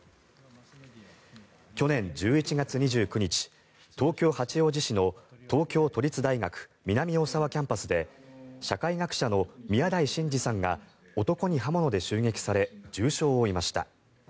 去年１１月２９日東京・八王子市の東京都立大学南大沢キャンパスで社会学者の宮台真司さんが男に刃物で襲撃され重傷を負いました。